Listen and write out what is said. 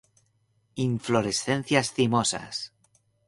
Inflorescencias cimosas.